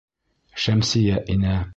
Шәмсиә инә.